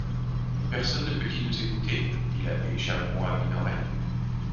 Personne ne peut-il nous écouter? dit l’abbé Chaperon à Minoret.